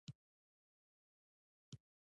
د ټکنالوجۍ زدهکړه د نوې پوهې لاره ده.